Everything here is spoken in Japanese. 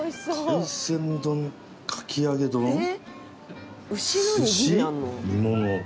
海鮮丼かき揚げ丼寿司煮物。